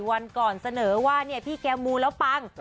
วันก่อนเสนอว่าพี่แกมูแล้วปัง